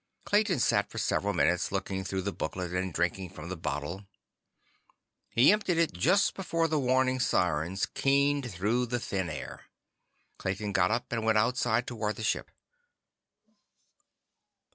Clayton sat for several minutes, looking through the booklet and drinking from the bottle. He emptied it just before the warning sirens keened through the thin air. Clayton got up and went outside toward the ship.